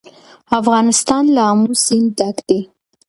افغانستان له آمو سیند ډک دی.